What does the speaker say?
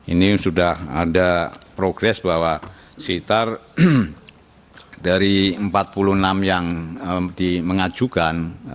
ini sudah ada progres bahwa sekitar dari empat puluh enam yang mengajukan